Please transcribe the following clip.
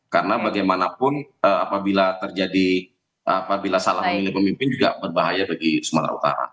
karena bagaimanapun apabila terjadi apabila salah memilih pemimpin juga berbahaya bagi sumatera utara